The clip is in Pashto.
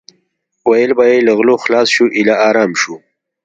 ویل به یې له غلو خلاص شو ایله ارام شو.